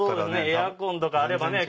エアコンとかあればね